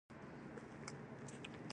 څوک راغی.